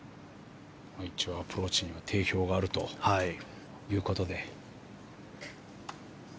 一応アプローチには定評があるということで。